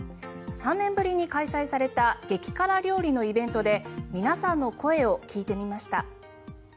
３年ぶりに開催された激辛料理のイベントで皆さんの声を聞いてみました。